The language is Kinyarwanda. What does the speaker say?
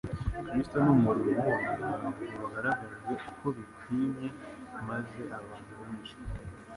Kristo n'umurimo we ntabwo bagaragajwe uko bikwinye maze abantu benshi